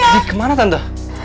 pergi kemana tante